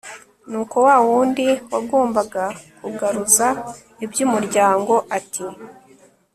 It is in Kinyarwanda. nuko wawundi wagombaga kugaruza iby'umuryango ati